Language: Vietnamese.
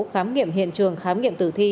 khám nghiệm hiện trường khám nghiệm tử thi